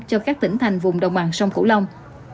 cho các tỉnh thành vùng đồng bằng sông cửu long